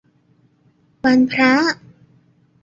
วันพระ